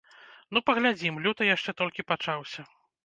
Ну, паглядзім, люты яшчэ толькі пачаўся.